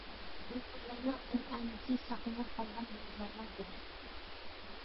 ئۇيغۇرلارنىڭ ئەنئەنىسى ساقلىنىپ قالغان يېزىلارنىڭ بىرى.